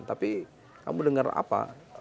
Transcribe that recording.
tapi kamu dengar apa